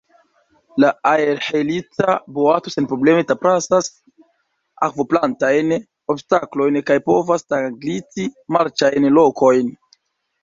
La aerhelica boato senprobleme trapasas akvoplantajn obstaklojn kaj povas tragliti marĉajn lokojn.